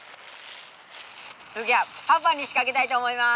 次はパパに仕掛けたいと思います。